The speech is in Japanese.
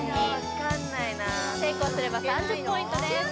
・分かんない成功すれば３０ポイントです